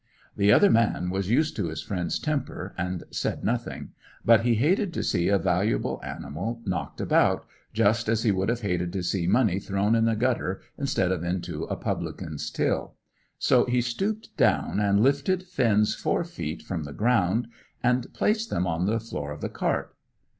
The other man was used to his friend's temper, and said nothing; but he hated to see a valuable animal knocked about, just as he would have hated to see money thrown in the gutter instead of into a publican's till; so he stooped down and lifted Finn's fore feet from the ground, and placed them on the floor of the cart.